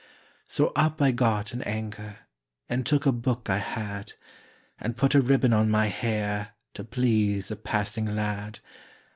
So up I got in anger, And took a book I had, And put a ribbon on my hair To please a passing lad.